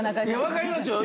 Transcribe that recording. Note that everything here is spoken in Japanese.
分かりますよ。